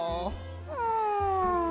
うん。